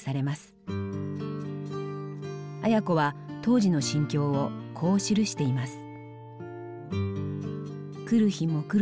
綾子は当時の心境をこう記しています。